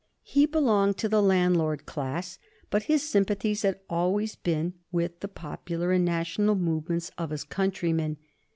He belonged to the landlord class, but his sympathies had always been with the popular and national movements of his countrymen.